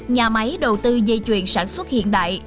nhà máy đầu tư dây chuyền sản xuất hiện đại